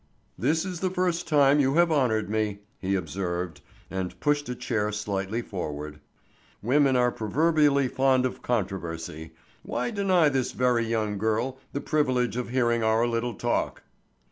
"This is the first time you have honored me," he observed, and pushed a chair slightly forward. "Women are proverbially fond of controversy; why deny this very young girl, the privilege of hearing our little talk?"